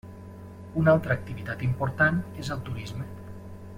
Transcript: Una altra activitat important és el turisme.